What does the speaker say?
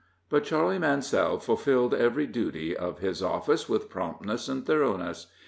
But Charley Mansell fulfilled every duty of his office with promptness and thoroughness.